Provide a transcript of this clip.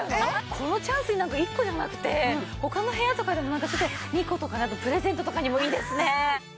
このチャンスになんか１個じゃなくて他の部屋とかでもなんかちょっと２個とかプレゼントとかにもいいですね。